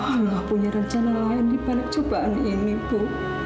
allah punya rencana lain di balik cobaan ini bu